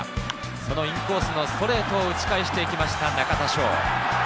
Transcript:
そのインコースのストレートを打ち返していきました中田翔。